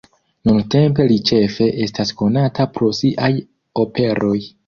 Nuntempe li ĉefe estas konata pro siaj operoj.